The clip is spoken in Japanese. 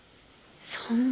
そんな。